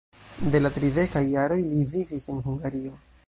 De la tridekaj jaroj li vivis en Hungario.